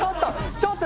ちょっと！